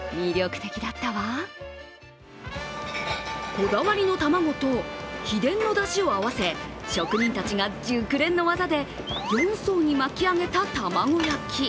こだわりの卵と秘伝のだしを合わせ、職人たちが熟練の技で４層に巻き上げた玉子焼。